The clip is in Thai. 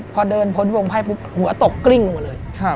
ผนพลองไพ้หัวตกกลิ้งลงมาเลย